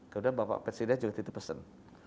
kemudian bapak presiden juga tiba tiba pesen